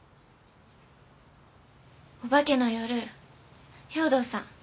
お化けの夜兵藤さん